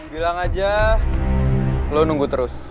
bilang aja lo nunggu terus